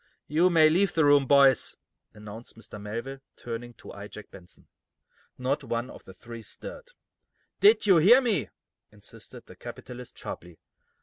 "You may leave the room, boys," announced Mr. Melville, turning to eye Jack Benson. Not one of the three stirred. "Did you hear me?" insisted the capitalist, sharply.